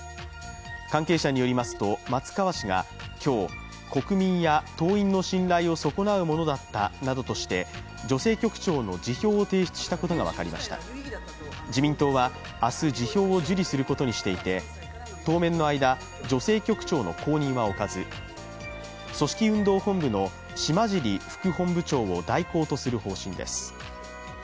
関係者によりますと、松川氏が今日、国民や党員の信頼を損なうものだったなどとして女性局長の辞表を提出したことが分かりました自民党は明日、辞表を受理することにしていて当面の間、女性局長の後任は置かず組織運動本部の島尻副本部長を代行とする方針です。